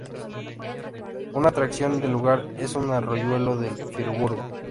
Una atracción del lugar es un arroyuelo de Friburgo.